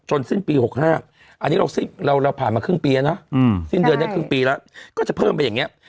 สิ้นปี๖๕อันนี้เราผ่านมาครึ่งปีแล้วนะสิ้นเดือนนี้ครึ่งปีแล้วก็จะเพิ่มไปอย่างนี้